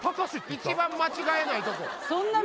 一番間違えないとこそんな